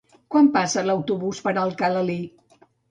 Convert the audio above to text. Quan passa l'autobús per Alcalalí?